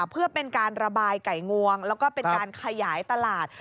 เพื่อเป็นการระบายไก่งวงแล้วก็เป็นการขยายตลาด